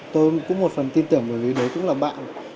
tôi cũng một phần tin tưởng với đối tượng là bạn